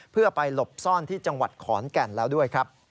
เพื่อไปหลบซ่อนที่จังหวัดขอนแก่นแล้วด้วยครับ